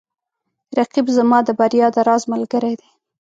رقیب زما د بریا د راز ملګری دی